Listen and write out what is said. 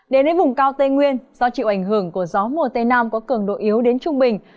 đến với vùng cao tây nguyên do chịu ảnh hưởng của gió mùa tây nam có cường độ yếu đến trung bình